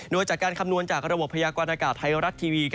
โดยจากการคำนวณจากระบบพยากรณากาศไทยรัฐทีวี